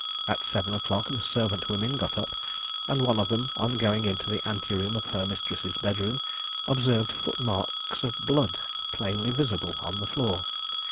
At seven o'clock the servant women got up, and one of them on going into the ante room of her mistress's bed room observed foot marks of blood plainly visible on the floor.